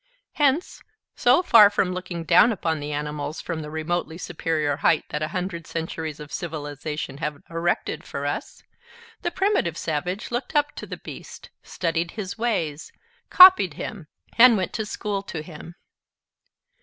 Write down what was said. Hence, so far from looking down upon the animals from the remotely superior height that a hundred centuries of civilization have erected for us, the primitive savage looked up to the beast, studied his ways, copied him, and went to school to him.